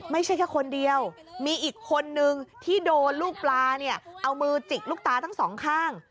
ไม่ใช่แค่คนเดียวมีอีกคนนึงที่โดนลูกปลาเนี่ยเอามือจิกลูกตาทั้งสองข้าง